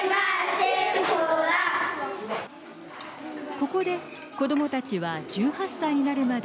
ここで、子どもたちは１８歳になるまで